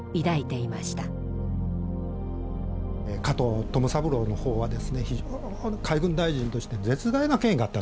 加藤友三郎の方は海軍大臣として絶大な権威があったんですね。